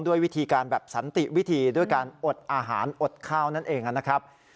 ด้วยวิธีการแบบสันติวิธีด้วยการอดอาหารอดข้าวนั่นเองนะครับ